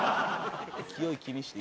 「勢い気にして」